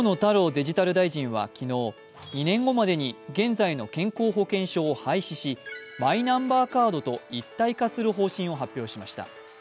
デジタル大臣は昨日、２年後までに現在の健康保険証を廃止しマイナンバーカードと一体化する方針を発表しました。